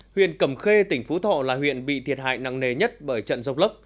huyện cầm khê tỉnh phú thọ là huyện bị thiệt hại nặng nề nhất bởi trận dốc lốc